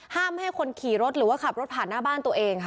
ห้ามให้คนขี่รถหรือว่าขับรถผ่านหน้าบ้านตัวเองค่ะ